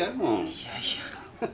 いやいや